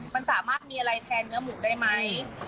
มันสามารถมีอะไรแทนเนื้อหมูได้ไหม